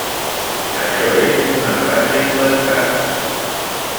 Això és una frase inventada.